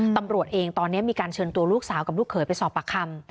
ตำรวจเองตอนนี้มีการเชิญตัวลูกสาวกับลูกเขยไปสอบปากคำ